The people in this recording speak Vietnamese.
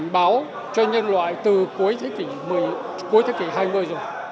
báo cho nhân loại từ cuối thế kỷ hai mươi rồi